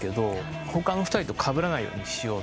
他の２人とかぶらないようにしようって。